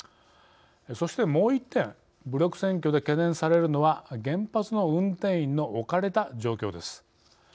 そしてもう１点武力占拠で懸念されるのは原発の運転員の置かれた状況です。